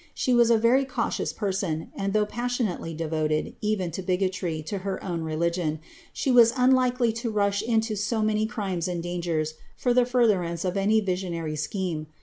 She was a very cautious person, and though passionately devoted, even to bigotry, to her own religion, she was unlikely to rush into so many crimes and dangers for the furtlierance of any visionary scheme.